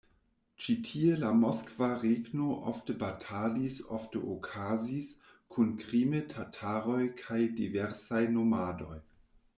Ĉi tie la Moskva Regno ofte batalis ofte okazis kun krime-tataroj kaj diversaj nomadoj.